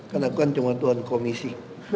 karena aku kan cuma tuan komisi